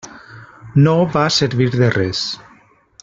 No va servir de res.